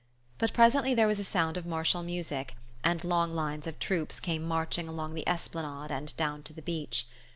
But presently there was a sound of martial music, and long lines of troops came marching along the esplanade and down to the beach.